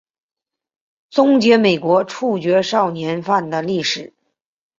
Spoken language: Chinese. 终结美国处决少年犯的历史。